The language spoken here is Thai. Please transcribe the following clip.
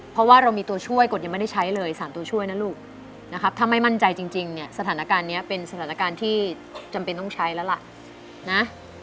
เพราะว่าเรามีตัวช่วยกฎยังไม่ได้ใช้เลย๓ตัวช่วยนะลูกนะครับถ้าไม่มั่นใจจริงเนี่ยสถานการณ์นี้เป็นสถานการณ์ที่จำเป็นต้องใช้แล้วล่ะนะ